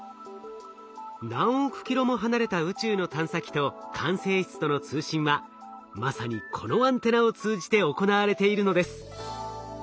何億キロも離れた宇宙の探査機と管制室との通信はまさにこのアンテナを通じて行われているのです。